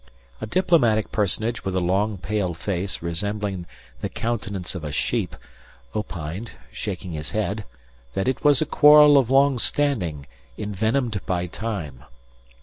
A diplomatic personage with a long pale face resembling the countenance of a sheep, opined, shaking his head, that it was a quarrel of long standing envenomed by time.